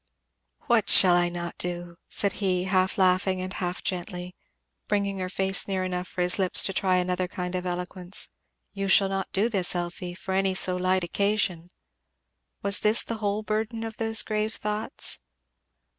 "What shall I not do?" said he half laughing and half gently, bringing her face near enough for his lips to try another kind of eloquence. "You shall not do this, Elfie, for any so light occasion. Was this the whole burden of those grave thoughts?"